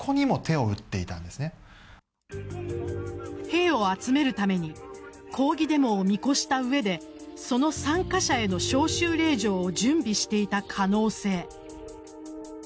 兵を集めるために抗議デモを見越した上でその参加者への招集令状を準備していた可能性。